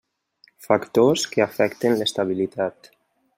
Factors que afecten l'estabilitat.